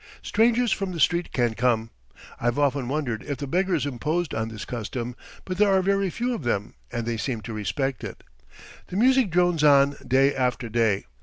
Strangers from the street can come; I've often wondered if the beggars imposed on this custom, but there are very few of them, and they seem to respect it. The music drones on day after day.